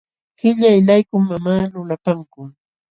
Qillaylaykum mamaa lulapankun.